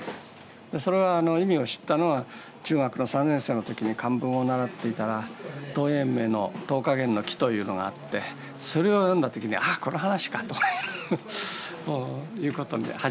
それはあの意味を知ったのは中学の３年生の時に漢文を習っていたら陶淵明の「桃花源記」というのがあってそれを読んだ時に「ああこの話か」ということで初めて知ったんです。